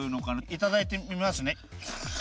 いただいてみますね。